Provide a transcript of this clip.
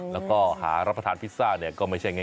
แล้วก็หารับประทานพิซซ่าเนี่ยก็ไม่ใช่ง่าย